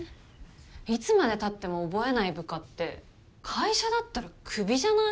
いつまでたっても覚えない部下って会社だったらクビじゃない？